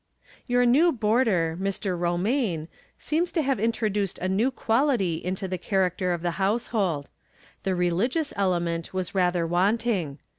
Your new boarder, Mr. Romaine, seems to have introduced a new quality into the character of the household. The religious element was rather wanting.